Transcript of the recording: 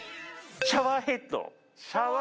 シャワーヘッド！